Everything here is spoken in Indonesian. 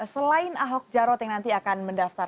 selain ahok jarot yang nanti akan mendaftar